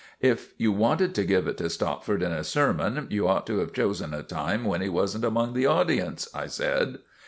"If you wanted to give it to Stopford in a sermon you ought to have chosen a time when he wasn't among the audience," I said.